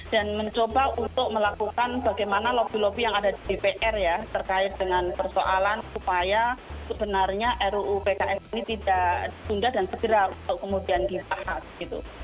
dan mencoba untuk melakukan bagaimana lobby lobby yang ada di dpr ya terkait dengan persoalan supaya sebenarnya ruu pks ini tidak tunda dan segera kemudian dipahas gitu